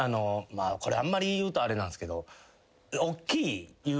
これあんまり言うとあれなんすけど。